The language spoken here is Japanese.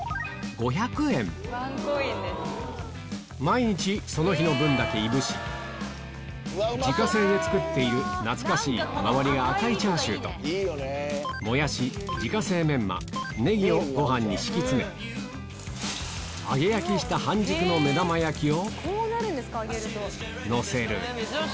毎日その日の分だけいぶし自家製で作っている懐かしい周りが赤いチャーシューとご飯に敷き詰め半熟の目玉焼きをのせる